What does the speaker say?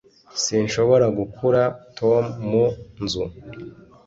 sinshobora gukura tom mu nzu